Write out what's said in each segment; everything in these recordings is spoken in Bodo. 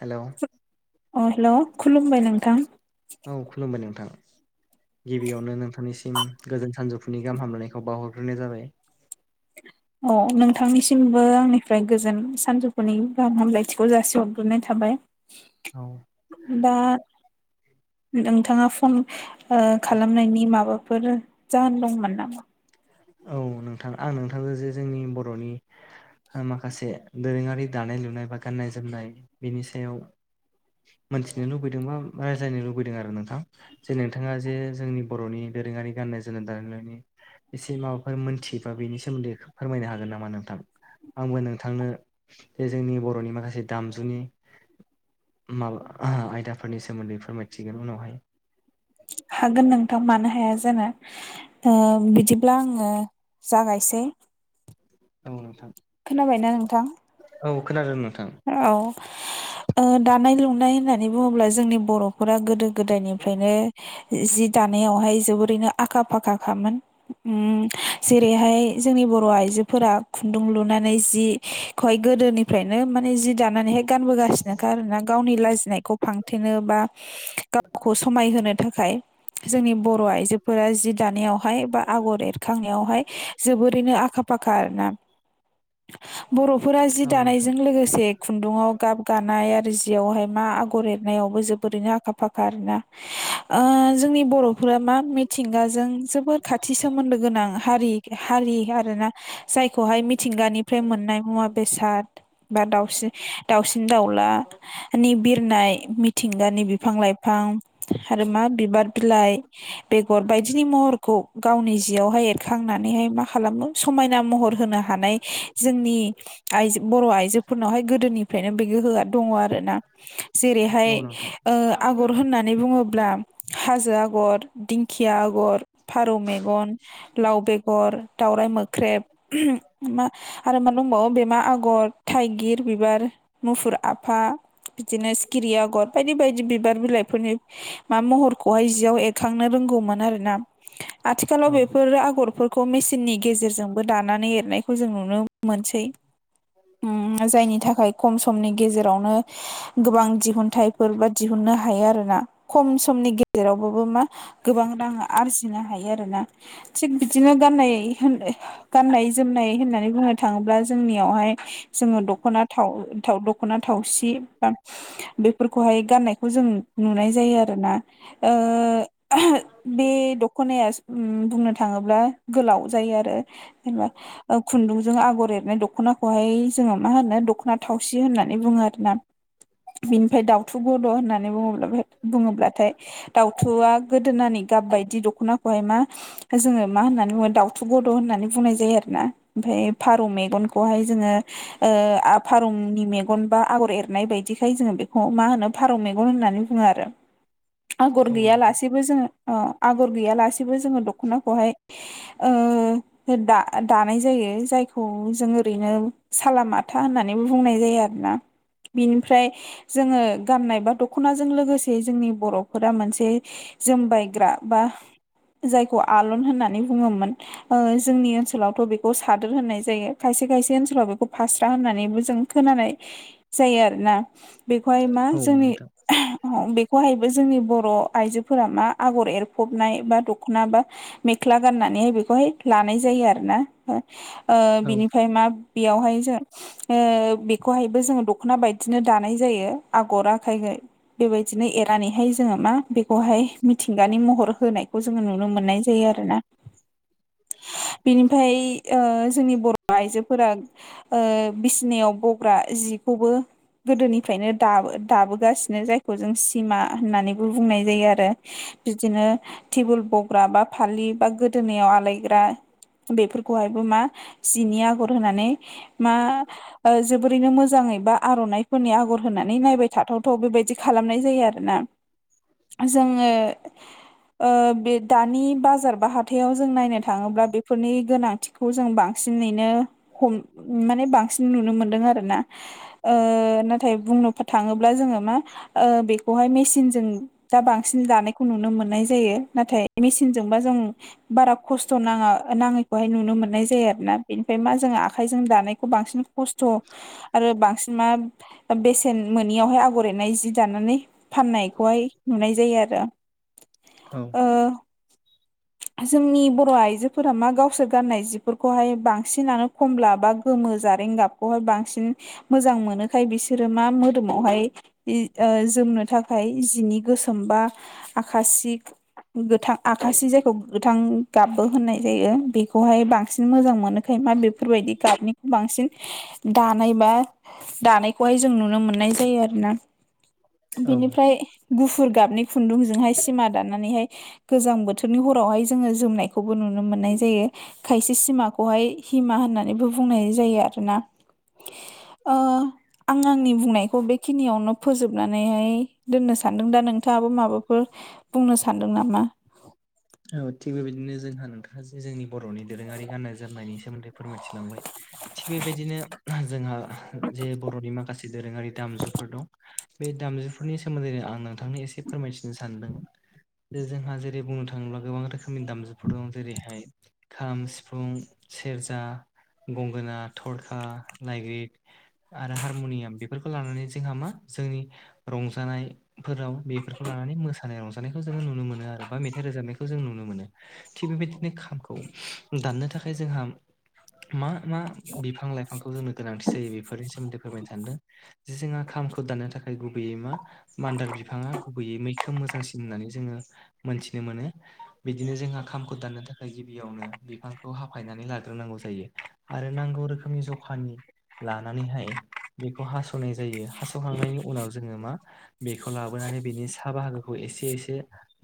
हेलौ अ हेल' खुलुमबाय नोंथां औ खुलुमबाय नोंथां गिबियावनो नोंथांनिसिम गोजोन सानजौफुनि गाहाम हामलायनायखौ बावहरग्रोनाय जाबाय अ नोंथांनिसिमबो आंनिफ्राय गोजोन सानजौफुनि गाहाम हामलायथिखौ जासिहरग्रोनाय थाबाय औ दा नोंथाङा फन ओ खालामनायनि माबाफोर जाहोन दंमोन नामा? औ नोंथां आं नोंथां जे जोंनि बर'नि ओ माखासे दोरोङारि दानाय लुनाय बा गाननाय जोमनाय बिनि सायाव मोनथिनो लुबैदों बा रायज्लायनो लुबैदों आरो नोंथां जे नोंथाङा जे जोंनि बर'नि दोरोङारि गाननाय जोमनाय दानाय लुनायनि एसे माबाफोर मोनथियोबा बेनि सोमोन्दै फोरमायनो हागोन नामा नोंथां आंबो नोंथांनो बे जोंनि बर'नि माखासे दामजुनि माबा आयदाफोरनि सोमोन्दै फोरमायथिगोन उनावहाय हागोन नोंथां मानो हाया जानो ओ बिदिब्ला आङो जागायसै औ नोंथां खोनाबायना नोंथां? औ खोनादों नोंथां। औ ओ दानाय लुनाय होननानै बुङोब्ला जोंनि बर' फोरा गोदो गोदायनिफ्रायनो जि दानायावहाय जोबोरैनो आखा फाखाखामोन उम जेरैहाय जोंनि बर' आइजोफोरा खुन्दुं लुनानै जि घय [unintelligible] गोदोनिफ्रायनो माने जि दानानैहाय गानबोगासिनोखा आरोना गावनि लाजिनायखौ फांथेनो बा गावखौ समायहोनो थाखाय। जोंनि बर' आइजोफोरा जि दानायावहाय बा आगर एरखांनायावहाय जोबोरैनो आखा फाखा आरोना [inaudible] बर'फोरा जि औ नोंथां दानायजों लोगोसे खुन्दुङाव गाब गानाय आरो जियावहाय मा आगर एरनायावबो जोबोरैनो आखा फाखा आरोना। ओ जोंनि बर'फोरा मा मिथिंगाजों जोबोर खाथि सोमोन्दो गोनां हारि हारि आरोना जायखौहाय मिथिंगानिफ्राय मोननाय मुवा बेसाद बा दाउसिन दाउसिन दाउला नि बिरनाय मिथिंगानि बिफां लाइफां आरो मा बिबार बिलाइ बेगर बायदिनि महरखौ गावनि जियावहाय एरखांनानैहाय मा खालामो समायना महर होनो हानाय जोंनि आइजो बर' आइजो फोरनावहाय गोदोनिफ्रायनो बेखौ होआ दङ आरोना जेरैहाय औ नोंथां ओ आगर होनना नै बुङोब्ला हाजो आगर दिंखिया आगर फारौ मेगन, लाव बेगर दाउराय मोख्रेब मा आरो मा दंबावो बेमा आगर थाइगिर बिबार, मुफुर आफा बिदिनो सिखिरि आगर बायदि बायदि बि बार बिलाइफोरनि मा महरखौहाय जियाव एरखांनो रोंगौमोन आरोना। आथिखालाव औ बेफोर आगरफोर खौ मेचिननि गेजेरजोंबो दानानै एरनायखौ जों नुनो मोनसै। उम जायनि थाखाय खम समनि गेजेरावनो गोबां दि दिहुनथाइफोर बा दिहुननो हायो आरोना खम समनि गेजेरावबाबो मा गोबां रां आरजिनो हायो आरोना थिग बिदिनो गाननाय होनदो गाननाय जोमनाय होननानै बुंनो थाङोब्ला जोंनियावहाय जोङो दखना थाव थाव दखना थावसि बा बेफोरखौहाय गाननायखौ जों नुनाय जायो आरोना ओ बे दखनाया बुंनो थाङोब्ला गोलाव जायो आरो जेनबा खुन्दुंजों आगर एरनाय दखनाखौहाय जोङो मा होनो दखना थावसि होननानै बुङो आरोना। बिनिफ्राय दाउथु गद' होननानै बुङोब्ला बुङोब्लाथाय दाउथुआ गोदोनानि गाब बायदि दखनाखौहाय मा जोङो मा होननानै बुङो दाउथु गद' होननानै बुंनाय जायो आरो ना ओमफ्राय फारौ मेगनखौहाय जोङो ओ आ फारौनि मेगन बा आगर एरनाय बायदिखाय जोङो बेखौ मा होनो फारौ मेगन होननानै बुङो आरो। [inaudible] आगर औ नोंथां गैयालासेबो जोङो ओ आगर गैयालासेबो जोङो दख'नाखौहाय ओ दा दानाय जायो जायखौ जों ओरैनो सालामाथा होननानैबो बुंनाय जायो आरोना बिनिफ्राय जोङो गाननाय बा दख'नाजों लोगोसे जोंनि बर'फोरा मोनसे जोमबायग्रा बा जायखौ आलन होननानै बुङोमोन। ओ जोंनि ओनसोलावथ' बेखौ सादोर होननाय जायो खायसे खायसे ओनसोलाव बे फास्रा होननानैबो जों खोनानाय जायो आरोना। बेखौहाय मा औ जोंनि नोंथां औ बेखौहायबो जोंनि बर' आइजोफोरा मा आगर एरफबनाय बा दख'ना बा मेख्ला गाननानैहाय बेखौहाय लानाय जायो आरो ना ओ औ बिनिफ्राय मा बेयावहाय जों ओ बेखौहायबो जोङो दख'ना बायदिनो दानाय जायो आगर आखायखो। बेबायदिनो एरनानैहाय जोङो मा बेखौहाय मिथिंगानि महर होनाय खौ जो नुनो मोननाय जायो आरोना बिनि फाय ओ जोंनि बर' आइजोफोरा ओ बिसिनायाव बग्रा जिखौबो गोदोनिफ्रायनो दाबो दाबोगासिनो जायखौ जों सिमा होननानैबो बुंनाय जायो आरो। बिदिनो टेबोल बग्रा बा फालि बा गोदोनायाव आलायग्रा बेफोरखौहायबो मा जिनि आगर होनानै मा ओ जोबोरैनो मोजाङै बा आर'नाइफोरनि आगर होनानै नायबाय थाथावथाव बेबायदि खालामनाय जायो आरो। ना जोङो ओ बे दानि बाजार बा हाथायाव जों नायनो थाङोब्ला बेफोरनि गोनांथि खौ जों बांसिनैनो हम माने बांसिन नुनो मोनदों आरो ना। ओ नाथाय बुंनो थाङोब्ला जोङो मा ओ बेखौहाय मेसिनजों दा बांसिन दानायखौ नुनो मोननाय जायो नाथाय मेसिनजोंबा जों बारा खस्थ' नाङा नाङैखौहाय नुनो मोननाय जायो आरोना बेनिफ्राय मा जोंहा आंखायजों दानायखौ बांसिन खस्थ' आरो बांसिन मा बेसेन मोनोनियावहाय आगर एरनाय जि दानानै फाननायखौहाय नुनाय जायो आरो। औ। ओ औ जोंनि बर' आइजोफोरा मा गावसोर गान्नाय जिफोरखौहाय बांसिनानो खमला बा गोमो जारें गाब खौहाय बांसिन मोजां मोनोखाय बिसोरो मा मोदोमावहाय ओ जोमनो थाखाय जिनि गोसोम बा आखासिक गोथां आखासे जाय थौ गोथां गाबबो होननाय जायो बेखौहाय बांसिन मोजां मोनोखाय मा बेफोरबायदि गाबनि बांसिन दानाय बा दानायखौहाय जों नुनो मोननाय जायो आरोना। औ बिनिफ्राय गुफुर गाबनि खुन्दुंजोंहाय सिमा दानानैहाय गोजां बोथोर रनि हरावहाय जोङो जोमनायखौबो नुनो मोननाय जायो। खायसे सिमाखौहाय हिमा होननानैबो बुंनाय जायो आरोना। ओ आं आंनि बुंनायखौ बेखिनियावनो फोजोबनानैहाय दोननो सान्दों दा नोंथाङाबो माबाफोर बुंनो सानदों नामा? औ थिग बेबायदिनो जोंहा नोंथाङा जे जोंनि बर'नि दोरोङारि गाननाय जोमनायनि सोमोन्दै फोरमायथिलांबाय। थिग बेबायदिनो जोंहा जे बर'नि माखासे दोरोङारि दामजुफोर दं। बे दामजुफोरनि सोमोन्दै आं नोंथांनो एसे फोरमायथिनो सानदों जे जोंहा जेरै बुंनो था थाङोब्ला गोबां रोखोमनि दामजुफोर दं जेरैहाय खाम, सिफुं, सेरजा, गंगोना, थरखा, नायग्रिद आरो हारमुनियाम बेफोरखौ लानानै जोंहा मा जोंनि रंजानायफोराव बेफोरखौ लानानै मोसानाय रंजानायखौ जोङो नुनो मोनो आरो बा मिथ रोजाबनायखौ जों नुनो मोनो थि बेबायदिनो खामखौ दाननो थाखाय जोंहाम मा मा बिफां लाइफांखौ जोंनो गोनांथि जायो बेफोरनि सोमोन्दै फोरमायनो सानदो। जे जोंहा खामखौ दाननो थाखाय गुबैयै मा मान्दार बिफाङा गुबैयै मैखोम मोजांसिन होननानै जोङो मोनथिनो मोनो। बिदिनो जोंहा खामखौ दाननो थाखाय गिबियावनो बिफांखौ हाफायनानै लाग्रोनांगौ जायो। आरो नांगौ रोखोमनि जखानि लानानैहाय बेखौ हास'नाय जायो हास'खांनायनि उनाव जोङो मा? बेखौ लाबोनानै बिनि सा बाहागोखौ एसे एसे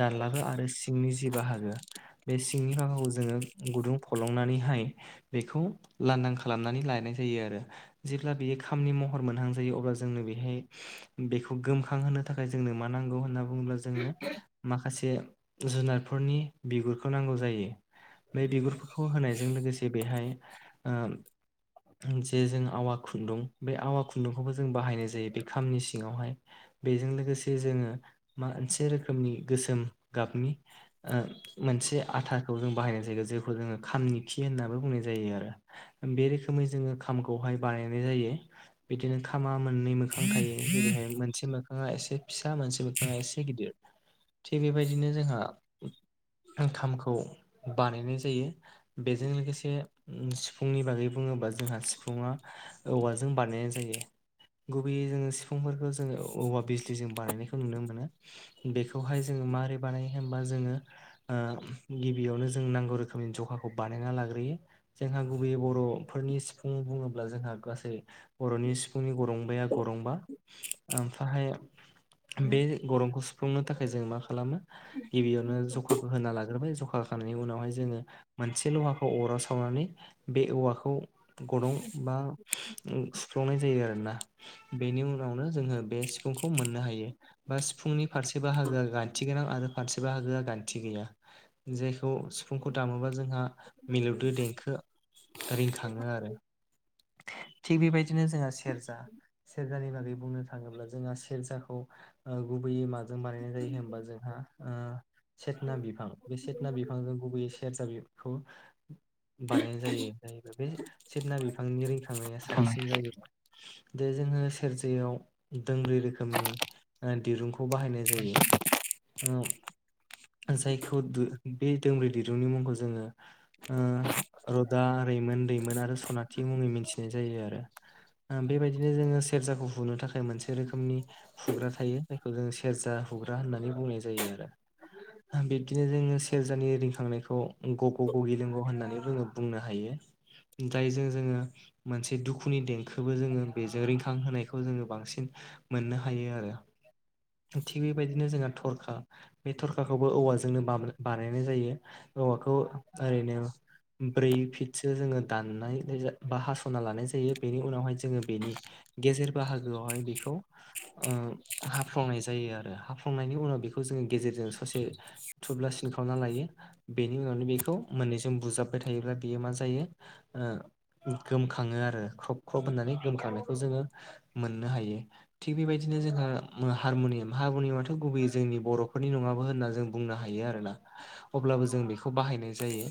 दानलाबो आ बे सिंनि जि बाहागो बे सिंनि बागोखौ जोङो गुदुं फलंनानैहाय बेखौ लान्दां खालामनानै लानाय जायो आरो जेब्ला बेयो खामनि महर मोनहां जायो अब्ला जोंनो बेहाय बेखौ गोमखां होनोनो थाखाय जोंनो मा नांगौ होनना बुङोब्ला जोंनो माखासे जुनारफोरनि बिगुरखौ नांगौ जायो। बे बिगुरफोरखौ होनायजों लोगोसे बेहाय ओम [unintelligible] जों आवा खुन्दुं बे आवा खुन्दुंखौबो जों बाहायनाय जायो बे खामनि सिङावहाय बेजों लोगोसे जोङो मा ओनसे रोखोमनि गोसोम गाबनि ओ मोनसे आथाखौ जों बाहायनाय जायो जेखौ जोङो खामनि खि होननानैबो बुंनाय जायो आरो। बे रोखोमै जोङो खामखौहाय बानायनाय जायो बिदिनो खा खामा मोननै मोखां थायो जेरैहाय मोनसे मोख खाङा एसे फिसा मोनसे बिफाङा एसे गिदिर थिग बेबायदिनो जोंहा खांथामखौ बानायनाय जायो। बेजों लोगोसे उम सिफुंनि बागै बुङोबा जोंहा सिफुुंआ औवाजों बानायनाय जायो। गुबैयै जोङो सिफुंफोरखौ जोङो औवा बिजलि जों बानायनायखौ नुनो मोनो। बेखौहाय जोङो मारै बानायो होनबा जोङो ओम गिबियावनो जों नांगौ रोखोमनि जखाखौ बानायना लाग्रोयो। जोंहा गुबै बर'फोरनि सिफुं बुङोब्ला जोंहा गासै बर'नि सिफुंनि गरंबाया गरंबा ओमफ्राहाय बे गरंखौ सुफुंनो थाखाय जों मा खालामो? गिबियावनो जखाखौ होना लाग्रोबाय जखा होखांनायनि उनावहाय जोङो मोन से लहाखौ अराव सावनानै बे औवाखौ गरं बा ओं सुफ्लंनाय जायो आरोना बेनि उनावनो जोङो बे सिफुंखौ मोननो हायो। बा सिफुंनि फारसे बाहागोआ गान्थिगोनां आरो फारसे बाहागोआ गान्थि गैया जेखौ सिफुंखौ दामोबा जोंहा मिलौदो देंखो रिंखाङो आरो थिग बेबायदिनो जोङा सेरजा सेरजानि बागै बुंनो थाङोब्ला जोंहा सेरजाखौ ओ गुबैयै मा जों बानायनाय जायो होमबा जोंहा ओ सेकना बिफां बे सेकना बिफांजों गुबैयै सेरजा बि खौ बानायनाय जायो जायोबा बे सेकना बिफा आंनि रोंखांनाया थांनाय साबसिन जायो। दे जोङो सेरजायाव दोंब्रै रोखोमनि ओ दिरुंखौ बाहायनाय जायो ओम जायखौ दु बे दोंब्रै दिरुंनि मुंखौ जोङो ओ रद, रैमोन, दैमोन, आरो सनाथि मुङै मिथिनाय जायो आरो बेबायदिनो जोंङो सेरजाखौ हुनो थाखाय मोनसे रोखोमनि हुग्रा थायो जायखौ जों सेरजा हुग्रा होननानै बुंनाय जायो आरो बिब्दिनो जोंङो सेरजानि रिंखांनायखौ ग' ग' गगिलिंग होननानै बुङो बुंनो हायो। जाय जों जोंङो मोनसे दुखुनि देंखोबो जोंङो बेजों रिंखां होनोनायखौ जोंङो बांसिन मोननो हायो आरो थिग बेबायदिनो जोंहा थरखा बे थरखाखौबो औवाजोंनो बानायनाय जायो औवाखौ ओरैनो ब्रै फिटसो जोंङो दाननाय बा हास'ना लानाय जायो बेनि उनावहाय जोङो बेनि गेजेर बाहागोआवहाय बेखौ ओ हाफ्लंनाय जायो आरो हाफ्लंनायनि उनाव बेखौ जोंङो गेजेरजों ससे थुब्ला सिन खालामावना लायो। बेनि उनावनो बेखौ मोननैजों बुजाबबाय थायोब्ला बेयो मा जायो ओ गोमखांङो आरो ख्रब ख्रब होननानै गोमखांनायखौ जोङो मोननो हायो। थिग बेबायदिनो जोंहा हारमुनियाम हारमुनियामाथ' गुबैयै जोंनि बर'फोरनि नङाबो होनना जों बुंनो हायो आरोना अब्लाबो जों बेखौ बाहायनाय जायो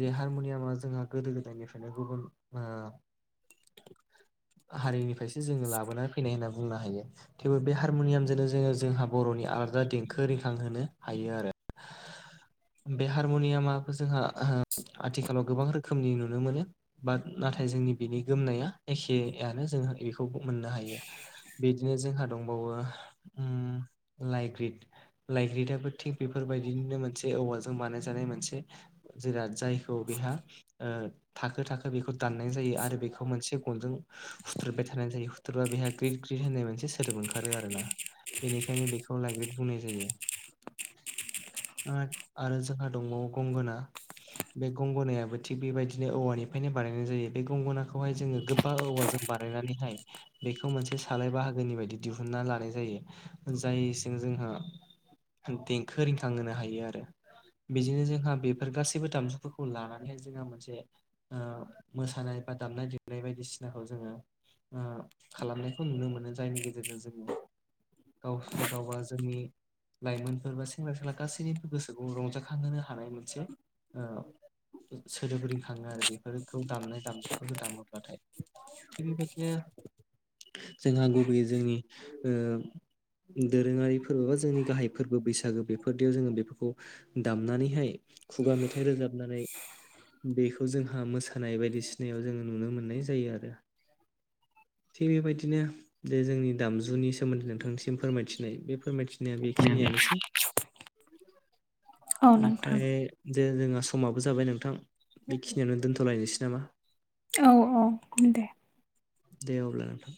जे हारमुनियामा जोंहा गोदो गोदायनिफ्रायनो गुबुन ओ हारिनिफ्रायसो जोंङो लाबोनानै फैनाय होनना बुंनो हायो। थेवबो बे हारमुनियामजोंनो जोंङो जोंहा बर'नि आलादा देंखो रिखां होनो हायो आरो [inaudible] बे हारमुनियामाबो जोंहा आथिखालाव गोबां रोखोमनि नुनो मोनो बाट नाथाय जोंनि बिनि गोमनाया एखेयानो जों बेखौ मोननो हायो बिदिनो जोंहा दं। बावो उम लाइ ग्रिद लायग्रिदआबो थिग बेफोरबायदिनो मोनसे औवाजों बानायजानाय मोनसे जेराद जायखौ बेहा ओ थाखो थाखो बेखौ दाननाय जायो आरो बेखौ मोनसे गनजों हुथुरबाय थानाय जायो हुथ्रबा बेहा ग्रि ग्रिद होननाय मोनसे सोदोब ओंखारो आरोना बेनिखायनो बेखौ लाइग्रिद बुंनाय जायो। आरो जोंहा दंबावो गंगोना बे गंगनायाबो थिग बेबायदिनो औवानि फायनो बानायनाय जायो बे गंगनाखौहाय जोंङो गोबाव औवाजों बानायनानैहाय बेखौ मोनसे सालाय बाहागोनि बायदि दिहुनना लानाय जायो जायजों जोंहा देंखो रिंखां होनोनो हायो आरो बिदिनो जोंहा बेफोर गासैबो दामजुफोरखौ लानानैहाय जोंहा मोनसे ओ मोसानाय बा दामनाय देनाय बायदिसिनाखौ जोंङो। ओ खालामनायखौ नुनो मोनो जायनि गेजेरजों जोंङो। गावबा गावबा जोंनि लाइमोनफोर बा सेंग्रा सिख्ला गासैनिबो गोसोखौ रंजाखांहोनो हानाय मोनसे ओ सोदोब रिंखांङो आरो बे फोरखौ दामनाय दामजुफोरखौ दामोब्लाथाय थिग बेबायदिनो जोंहा गुबैयै जोंनि ओ दोरोङारि फोरबो बा जोंनि गाहाय फोरबो बैसागो बेफोरदियाव जोंङो बेफोरखौ दामनानैहाय खुगा मेथाइ रोजाबनानै बेखौ जों मोसानाय बायदिसिनायाव जोंङो नुनो मोननाय जायो आरो थिग बेबायदिनो जे जोंनि दामजुनि सोमोन्दै नोंथांसिम फोरमायथिनाय बे फोरमायथिनाया बेखिनियानोसै औ नोंथां ओमफ्राय जे जोंहा समाबो जाबाय नोंथां बेखि नियाव दोनथ'लायनोसै नामा? औ औ औ दे दे अब्ला नोंथां।